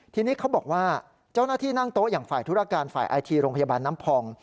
ทีนี้เขาบอกว่าเจ้าหน้าที่นั่งโต๊ะอย่างฝ่ายธุรการฝ่ายไอทีโรงพยาบาลน้ำพอง